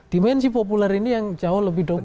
dimensi populer ini yang jauh lebih dominan